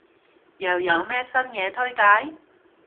又有咩新嘢推介？